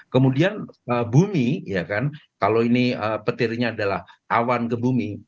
kemudian bumi ya kan kalau ini petirnya adalah awan ke bumi